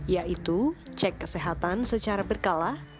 yaitu cek kesehatan secara berkala